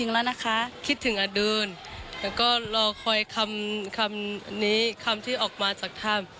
แล้วก็รอคอยคำนี้คำที่ออกมาจากท่าม